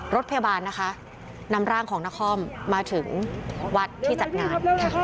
รถพยาบาลนะคะนำร่างของนครมาถึงวัดที่จัดงาน